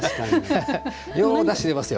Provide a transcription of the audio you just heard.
ようだしが出ますよ